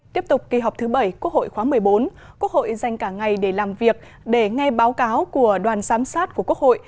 tiếp tục kỳ họp thứ bảy quốc hội khóa một mươi bốn quốc hội dành cả ngày để làm việc để nghe báo cáo của đoàn giám sát của quốc hội